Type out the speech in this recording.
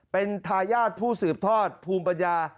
เป็นทายาทผู้สืบทอดภูมิปัญญา